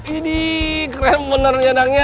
ini keren benernya dangnya